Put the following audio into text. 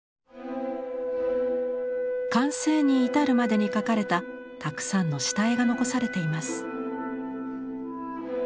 完成に至るまでに描かれたたくさんの下絵が残されています。